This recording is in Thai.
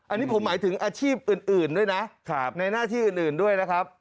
อันนี้ผมหมายถึงอาชีพอื่นด้วยนะในหน้าที่อื่นด้วยนะครับ